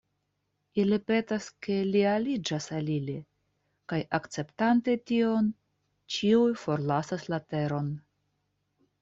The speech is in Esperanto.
Ili petas ke li aliĝas al ili, kaj akceptante tion, ĉiuj forlasas la teron.